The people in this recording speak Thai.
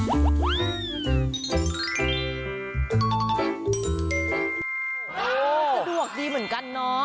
โอ้โหสะดวกดีเหมือนกันน้อง